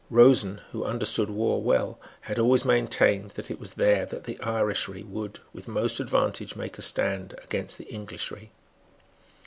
Rosen, who understood war well, had always maintained that it was there that the Irishry would, with most advantage, make a stand against the Englishry.